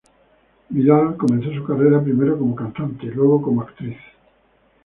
Vidal comenzó su carrera primero como cantante y luego como actriz.